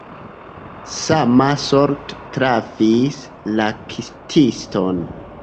Sama sorto trafis laktiston.